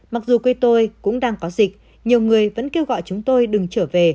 mặc dù quê tôi cũng đang có dịch nhiều người vẫn kêu gọi chúng tôi đừng trở về